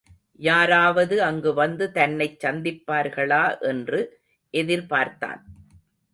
யாராவது அங்கு வந்து தன்னைச் சந்திப்பார்களா என்று எதிர்பார்த்தான்.